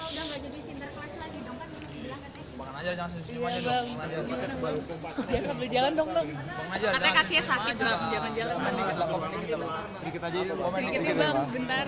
ngomong dikit dong pak soal ketetmos